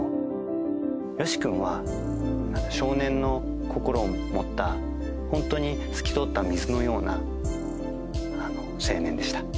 ＹＯＳＨＩ君は、少年の心を持った、本当に透き通った水のような青年でした。